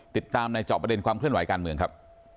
ติดตามในจอบประเด็นความเคลื่อนไหวการเมืองครับ